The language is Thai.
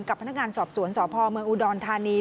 กับพนักงานสอบสวนสพเมืองอุดรธานี